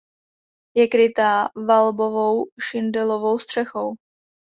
Je kryta valbovou šindelovou střechou.